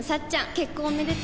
結婚おめでとう